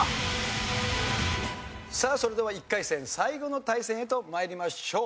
さあそれでは１回戦最後の対戦へと参りましょう。